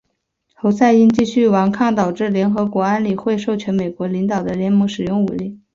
侯赛因继续顽抗导致联合国安理会授权美国领导的联盟使用武力。